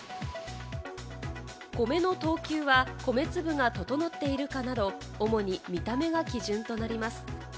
米の等級は米粒が整っているかなど、主に見た目が基準となります。